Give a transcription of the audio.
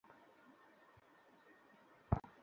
আমার স্বামীর হয়ে কতদিন ধরে কাজ কর?